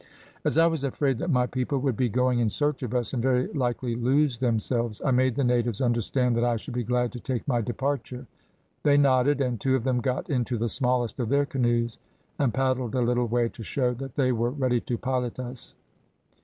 "As I was afraid that my people would be going in search of us, and very likely lose themselves, I made the natives understand that I should be glad to take my departure; they nodded, and two of them got into the smallest of their canoes and paddled a little way, to show that they were ready to pilot us.